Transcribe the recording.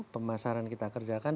pemasaran kita kerjakan